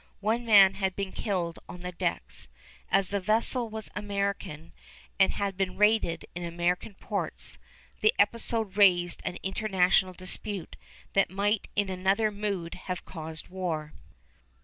One man had been killed on the decks. As the vessel was American, and had been raided in American ports, the episode raised an international dispute that might in another mood have caused war.